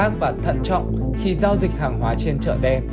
cảnh giác và thận trọng khi giao dịch hàng hóa trên chợ đen